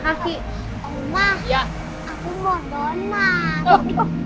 aku mau donat